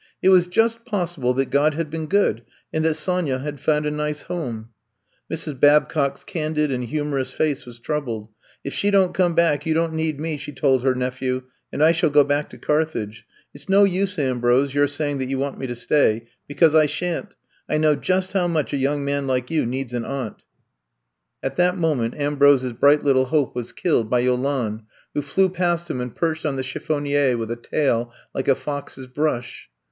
It was just possible that God had been good and that Sonya had found a nice home. Mrs. Babcock's candid and humorous face was troubled. If she don't come back, you don't need me, '' she told her nephew, and I shall go back to Carthage. It 's no use, Ambrose, your saying that you want me to stay, be cause I sha ' n 't. I know just how much a young man like you needs an aunt. " 120 I'VE COME TO STAY At that moment Ambrose's bright little hope was killed by Yolande who flew past him and perched on the chiflfonier with a tail like a fox's brush.